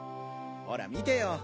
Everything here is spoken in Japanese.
ほら見てよ。